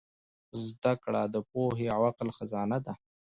زدهکړه د پوهې او عقل خزانه ده.